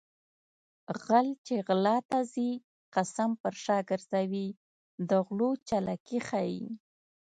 غل چې غلا ته ځي قسم پر شا ګرځوي د غلو چالاکي ښيي